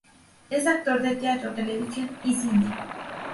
Es actor de teatro, television y cine.